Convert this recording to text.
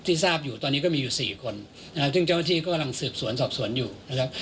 ทราบอยู่ตอนนี้ก็มีอยู่สี่คนนะครับซึ่งเจ้าหน้าที่ก็กำลังสืบสวนสอบสวนอยู่นะครับ